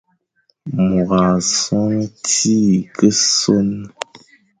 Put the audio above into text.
Môr a sonhe, tsir ke sonhe,